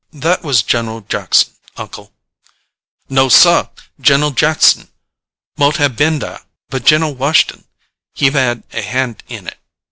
"That was General Jackson, uncle." "No, sah! Gin'l Jackson mout ha' ben thar, but Gin'l Wash'tun, he hab a han' in it.